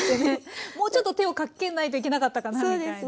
もうちょっと手をかけないといけなかったかなみたいな。